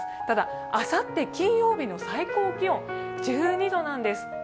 ただあさって金曜日の最高気温、１２度なんです。